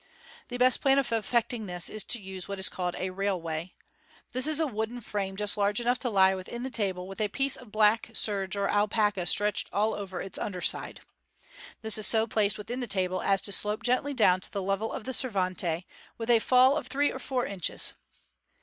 The best plan of effecting this is to use what is called a (t railway." This is a wooden frame just large enough to lie wiihin the table, with a piece of black serge or alpaca stretched all over its under side. This is so placed within the table, as to slope gently down to the level of the servante, with a fall of three or four inches.